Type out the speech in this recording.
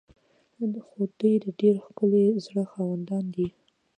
خو دوی د ډیر ښکلي زړه خاوندان دي.